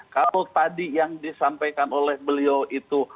kalau tadi yang disampaikan oleh beliau itu